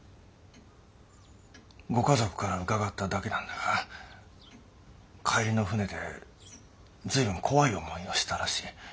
ご家族から伺っただけなんだが帰りの船で随分怖い思いをしたらしい。